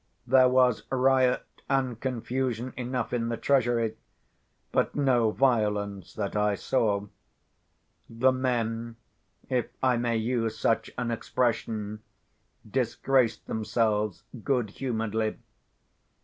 There was riot and confusion enough in the treasury, but no violence that I saw. The men (if I may use such an expression) disgraced themselves good humouredly.